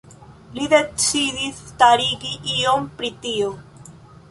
Li decidis starigi ion pri tio.